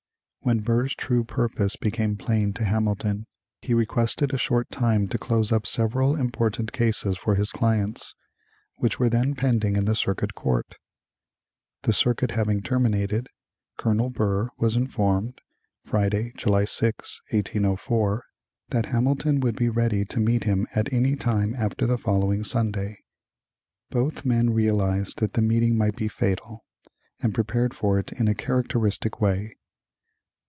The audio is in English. When Burr's true purpose became plain to Hamilton, he requested a short time to close up several important cases for his clients, which were then pending in the circuit court. The circuit having terminated, Colonel Burr was informed (Friday, July 6, 1804) that Hamilton would be ready to meet him at any time after the following Sunday. Both men realized that the meeting might be fatal, and prepared for it in a characteristic way.